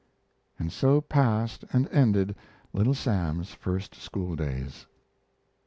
And so passed and ended Little Sam's first school days. X.